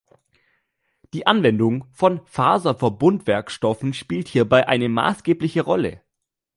Die Anwendung von Faserverbundwerkstoffen spielte hierbei eine maßgebliche Rolle.